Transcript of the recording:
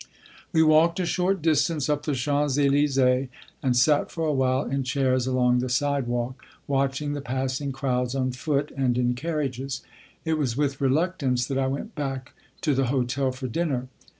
We walked a short distance up the Champs Élysées and sat for a while in chairs along the sidewalk, watching the passing crowds on foot and in carriages. It was with reluctance that I went back to the hotel for dinner.